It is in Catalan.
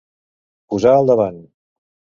Posar al davant.